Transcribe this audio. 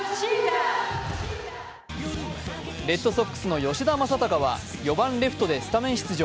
レッドソックスの吉田正尚は４番・レフトでスタメン出場。